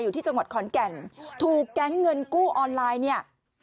ที่จังหวัดขอนแก่นถูกแก๊งเงินกู้ออนไลน์เนี่ย